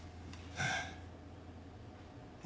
はあ。